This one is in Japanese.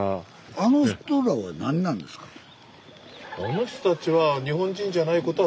あの人たちは日本人じゃないことは確かですけど。